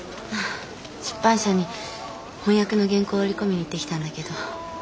出版社に翻訳の原稿を売り込みに行ってきたんだけど。